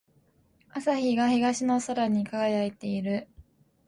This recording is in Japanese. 朝日が東の空に輝いている。